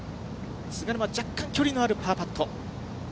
菅沼、若干距離のあるパーパット。